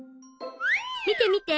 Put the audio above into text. みてみて！